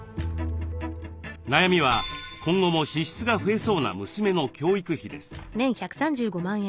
悩みは今後も支出が増えそうな娘の教育費です。